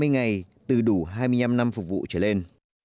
hai mươi ngày từ đủ hai mươi năm năm phục vụ trở lên